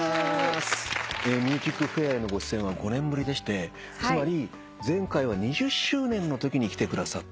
『ＭＵＳＩＣＦＡＩＲ』へのご出演は５年ぶりでしてつまり前回は２０周年のときに来てくださった。